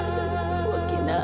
aku terlalu berharga